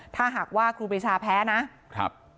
ถ้าหากว่าครูปริชาแพ้นะ